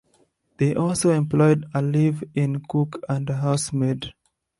They also employed a live-in cook and a housemaid.